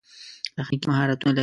تخنیکي مهارتونه لري.